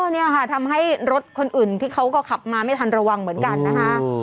นี่ค่ะทำให้รถคนอื่นที่เขาก็ขับมาไม่ทันระวังเหมือนกันนะคะ